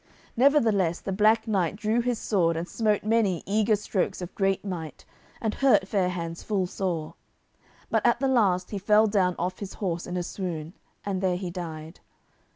Nevertheless the Black Knight drew his sword and smote many eager strokes of great might, and hurt Fair hands full sore. But at the last he fell down off his horse in a swoon, and there he died.